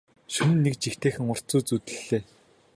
Шөнө нь нэг жигтэйхэн урт зүүд зүүдэллээ.